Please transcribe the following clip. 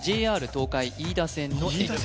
ＪＲ東海飯田線の駅です